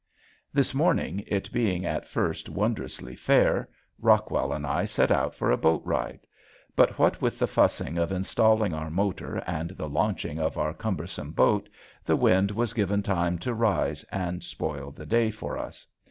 This morning, it being at first wondrously fair, Rockwell and I set out for a boat ride. But what with the fussing of installing our motor and the launching of our cumbersome boat the wind was given time to rise and spoil the day for us.